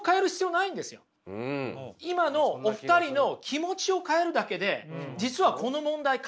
今のお二人の気持ちを変えるだけで実はこの問題解決するんですよ。